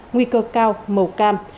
nguy cơ cao màu cam